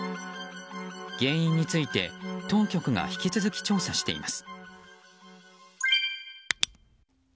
原因について当局が引き続き調査しています。